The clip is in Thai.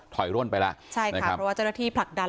ร่วนไปแล้วใช่ค่ะเพราะว่าเจ้าหน้าที่ผลักดัน